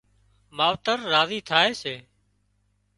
ماوتر راضي ٿائي سي